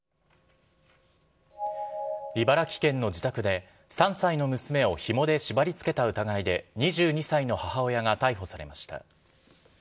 茨城県の自宅で、３歳の娘をひもで縛りつけた疑いで、２２歳の母親が逮捕されました。